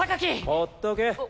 ほっとけ。